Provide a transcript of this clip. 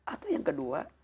atau yang kedua